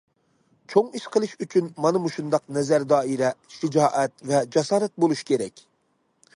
چوڭ ئىش قىلىش ئۈچۈن، مانا مۇشۇنداق نەزەر دائىرە، شىجائەت ۋە جاسارەت بولۇش كېرەك.